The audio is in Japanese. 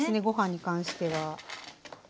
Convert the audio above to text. ご飯に関しては。